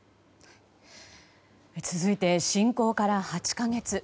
続いて、侵攻から８か月。